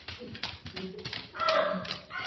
Kasoro mali ya wenyewe.